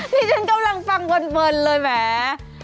นี่ฉันกำลังฟังเวิร์นเลยแหม